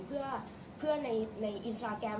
เพื่อนในอินสตราแกรม